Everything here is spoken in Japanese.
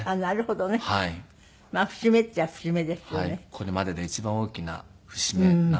これまでで一番大きな節目なんだなと。